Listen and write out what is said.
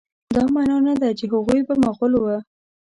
دا معنی نه ده چې هغوی به مغول وه.